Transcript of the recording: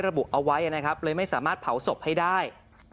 ระบุเอาไว้นะครับเลยไม่สามารถเผาศพให้ได้